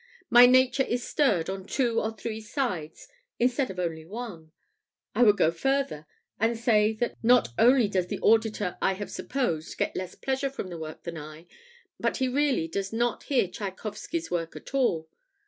My nature is stirred on two or three sides instead of only one. I would go further and say that not only does the auditor I have supposed get less pleasure from the work than I, but he really does not hear Tschaikowsky's work at all.